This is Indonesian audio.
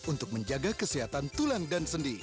untuk menjaga kesehatan tulang dan sendi